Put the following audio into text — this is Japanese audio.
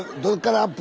どアップ！